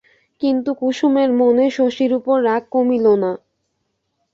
কিন্তু কুসুমের মনে শশীর উপর রাগ কমিল না।